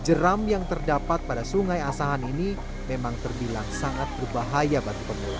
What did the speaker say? jeram yang terdapat pada sungai asahan ini memang terbilang sangat berbahaya bagi pemula